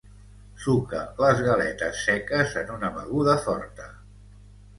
Suca les galetes seques en una beguda forta.